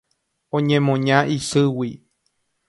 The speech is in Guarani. Oñemoña isýgui.